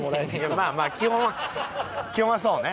まあまあ基本は基本はそうね。